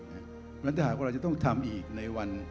แล้วถ้าหากว่าเราจะต้องทำอีกในวัน